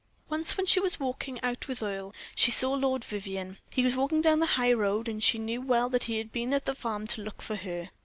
Once, when she was walking out with Earle, she saw Lord Vivianne. He was walking down the high road, and she knew well that he had been at the farm to look for her.